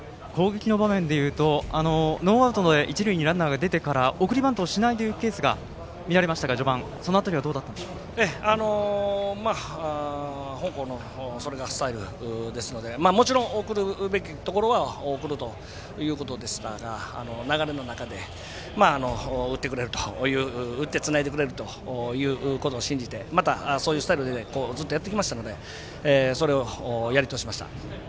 攻撃の場面で言うとノーアウト、一塁にランナーが出てから送りバントをしないというケースがありましたがその辺りは本校のそれがスタイルですのでもちろん送るべきところは送るということでしたが流れの中で打ってつないでくれるということを信じてまた、そういうスタイルでずっとやってきましたのでそれをやり通しました。